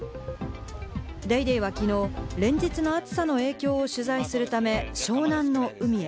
『ＤａｙＤａｙ．』がきのう連日の暑さの影響を取材するため湘南の海へ。